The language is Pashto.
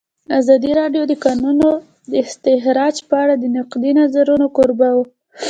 ازادي راډیو د د کانونو استخراج په اړه د نقدي نظرونو کوربه وه.